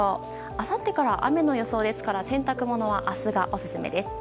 あさってから雨の予想ですから洗濯物は明日がオススメです。